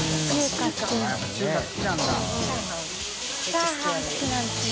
チャーハン好きなんですね。